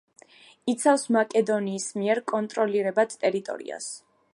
იცავს მაკედონიის მიერ კონტროლირებად ტერიტორიას.